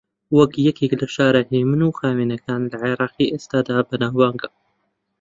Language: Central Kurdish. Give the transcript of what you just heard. وەک یەکێک لە شارە ھێمن و خاوێنەکان لە عێراقی ئێستادا بەناوبانگە